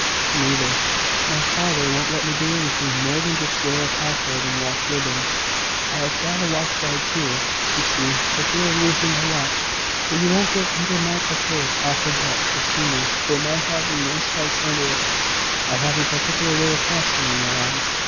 "Neither. My father won't let me do anything more than just wear a cockade and watch ribbon. I have got a watch guard too, you see, for fear of losing my watch. But you won't get my cockade off a bit the sooner for my having no spikes under it. I have a particular way of fastening it on.